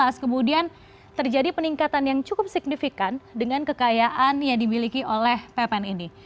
tahun dua ribu lima belas kemudian terjadi peningkatan yang cukup signifikan dengan kekayaan yang dimiliki oleh pepen ini